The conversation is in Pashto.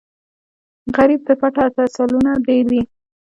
غریب ته پټ تسلونه ډېر دي